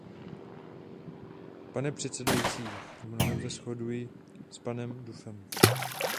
Pane předsedající, v mnohém se shoduji s panem Duffem.